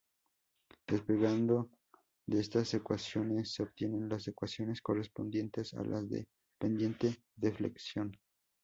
Despejando de estas ecuaciones, se obtienen las ecuaciones correspondientes a las de pendiente-deflexión.